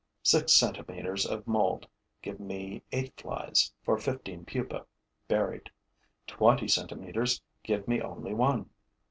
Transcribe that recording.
Six centimeters of mould give me eight flies for fifteen pupae buried; twenty centimeters give me only one.